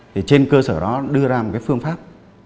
thì trên cơ sở đó đưa ra một cái phương pháp